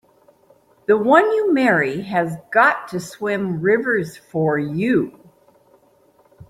The one you marry has got to swim rivers for you!